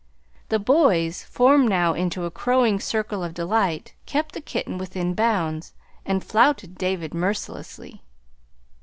The boys, formed now into a crowing circle of delight, kept the kitten within bounds, and flouted David mercilessly.